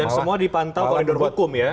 dan semua dipantau oleh penduduk hukum ya